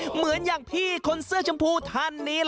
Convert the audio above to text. เหมือนอย่างพี่คนเสื้อชมพูทันนี้นี่ครับ